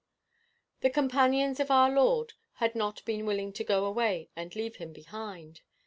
"The companions of our Lord had not been willing to go away and leave him behind.